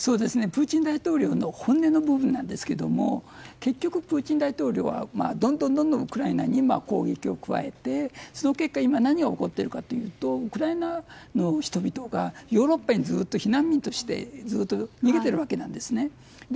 プーチン大統領の本音の部分なんですけれども結局プーチン大統領はどんどん、どんどんウクライナに攻撃を加えて、その結果今、何が起こっているかというとウクライナの人々がヨーロッパにずっと避難民としてずっと逃げてるわけなんですね。